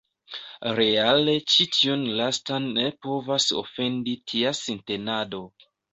Reale ĉi tiun lastan ne povis ofendi tia sintenado.